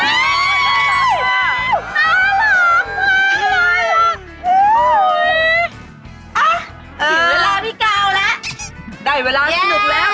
อ๊ะหินเวลาพี่กาวแล้วได้เวลาสนุกแล้วจริงแย่ละ